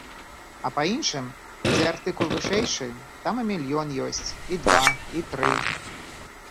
А па іншым, дзе артыкул вышэйшы, там і мільён ёсць, і два, і тры.